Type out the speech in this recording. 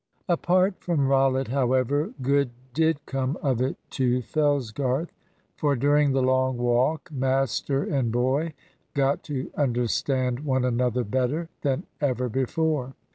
Apart from Rollitt, however, good did come of it to Fellsgarth. For during the long walk master and boy got to understand one another better than ever before.